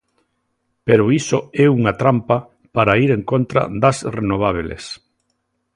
Pero iso é unha trampa para ir en contra das renovables.